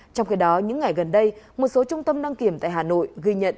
trong khi đó những ngày gần đây một số trung tâm đăng kiểm tại hà nội ghi nhận